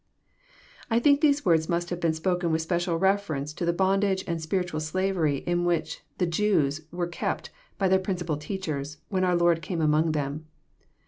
I think these words must have been spoken with special ref erence to the bondage and spiritnal slavery in which the Jewr were kept by their principal teachers, when our Lord came among them.